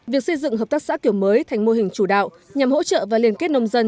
việc xây dựng hợp tác xã kiểu mới thành mô hình chủ đạo nhằm hỗ trợ và liên kết nông dân